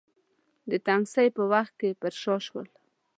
د تنګسې په وخت کې پر شا شول.